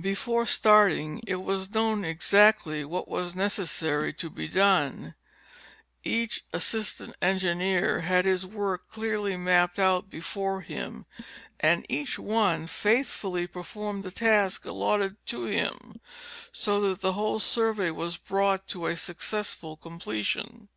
Before starting it was known exactly what, was necessary to be done ; each assistant engineer had his work clearly mapped out before him, and each one faithfully performed the task allotted to him, so that the whole survey was brought to a successful completion.